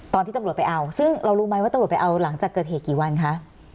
ตอนที่ตำรวจไปเอาซึ่งเรารู้ไหมว่าตำรวจไปเอาหลังจากเกิดเหตุกี่วันคะ